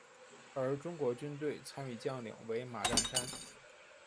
而中国军队参与将领为马占山。